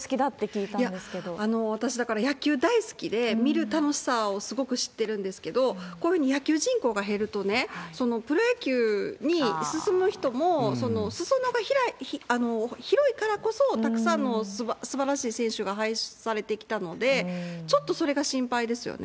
いや、私、だから野球大好きで、見る楽しさをすごく知ってるんですけれども、こういうふうに野球人口が減るとね、プロ野球に進む人も、すそ野が広いからこそたくさんのすばらしい選手が輩出されてきたので、ちょっとそれが心配ですよね。